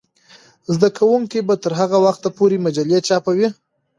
زده کوونکې به تر هغه وخته پورې مجلې چاپوي.